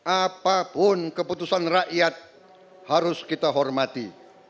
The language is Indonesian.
apapun keputusan rakyat harus kita hormati